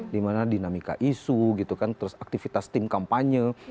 dimana dinamika isu gitu kan terus aktivitas tim kampanye